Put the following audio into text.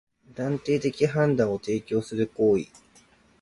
断定的判断を提供する行為